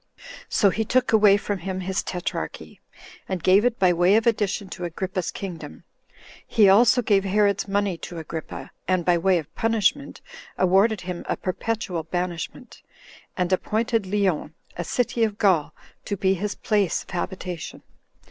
So he took away from him his tetrarchy, and gave it by way of addition to Agrippa's kingdom; he also gave Herod's money to Agrippa, and, by way of punishment, awarded him a perpetual banishment, and appointed Lyons, a city of Gaul, to be his place of habitation.